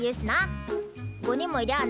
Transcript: ５人もいりゃあ